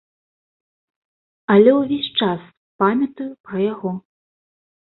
Але ўвесь час памятаю пра яго.